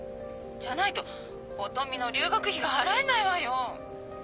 じゃないと音美の留学費が払えないわよ。